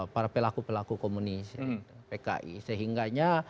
para pelaku pelaku komunis pki sehingganya